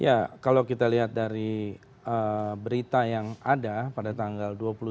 ya kalau kita lihat dari berita yang ada pada tanggal dua puluh tiga